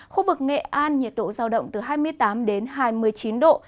khu vực nghệ an nhiệt độ giao động từ hai mươi tám đến hai mươi chín độ